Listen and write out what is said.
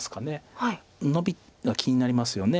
ノビが気になりますよね。